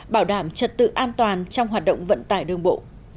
bảo đảm trật tự an toàn trong hoạt động vận tải đường bộ